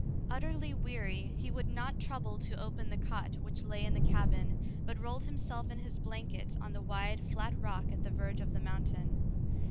Utterly weary, he would not trouble to open the cot which lay in the cabin, but rolled himself in his blanket on the wide, flat rock at the verge of the mountain.